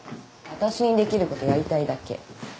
わたしにできることやりたいだけ。